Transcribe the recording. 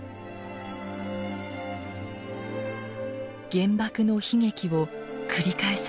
原爆の悲劇を繰り返さない。